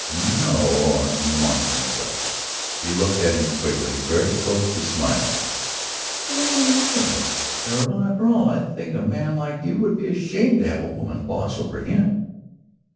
"No, I'm the monster himself." She looked at him quickly, very close to smiling. "Well, you don't look so terrible, after all. I think a man like you would be ashamed to have a woman boss over him."